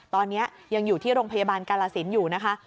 ตอนนี้ยังอยู่ที่โรงพยาบาลกาลสินอยู่นะคะ